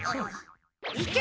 いけ！